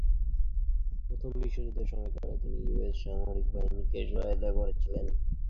প্রথম বিশ্বযুদ্ধের সময়কালীন তিনি ইউএস সামরিক বাহিনীকে সহায়তা করেছিলেন।